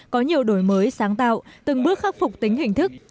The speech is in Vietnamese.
có nhiều đổi mới sáng tạo từng bước khắc phục tính hình thức